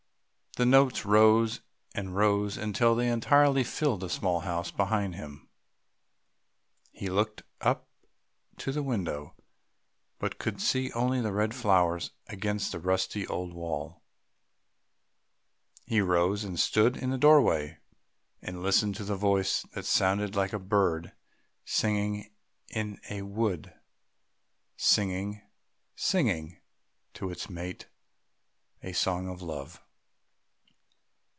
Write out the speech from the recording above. The notes rose and rose until they entirely filled the small house behind him. He looked up to the window, but could see only the red flowers against the rusty old wall. He rose and stood in the doorway, and listened to the voice that sounded like a bird singing in a wood, singing, singing to its mate a song of Love.